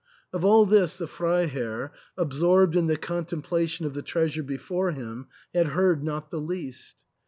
Of all this the Freiherr, absorbed in the con templation of the treasure before him, had heard not the least.